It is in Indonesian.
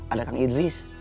ada kang idris